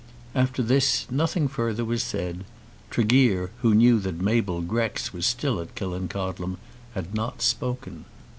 After this nothing further was said. Tregear, who knew that Mabel Grex was still at Killancodlem, had not spoken.